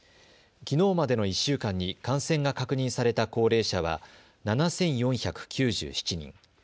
きのうまでの１週間に感染が確認された高齢者は７４９７人。